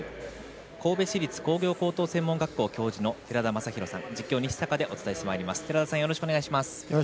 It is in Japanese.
神戸市立工業専門学校教授の寺田雅裕さんでお伝えしてまいります。